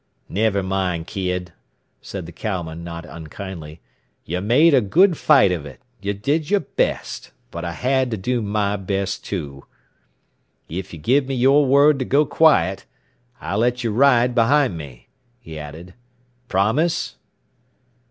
"Never mind, kid," said the cowman not unkindly. "You made a good fight of it. You did your best. But I had to do my best too. "If you'll give me your word to go quiet, I'll let you ride behind me," he added. "Promise?"